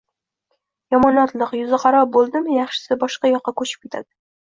Yomonotliq, yuziqaro bo`ldimi, yaxshisi, boshqa yoqqa ko`chib ketadi